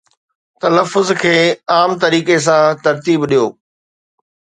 تلفظ کي عام طريقي سان ترتيب ڏيو